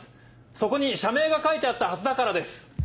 そこに社名が書いてあったはずだからです。